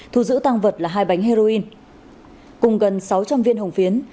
thu giữ tăng vật là hai bánh heroin cùng gần sáu trăm linh viên hồng phiến